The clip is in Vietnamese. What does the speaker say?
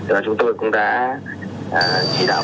và chúng tôi cũng đã chỉ đạo